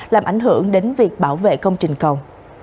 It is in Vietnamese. làm ảnh hưởng đến việc bảo vệ công trình cầu